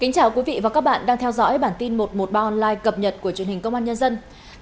chào mừng quý vị đến với bản tin một trăm một mươi ba online cập nhật của truyền hình công an nhân dân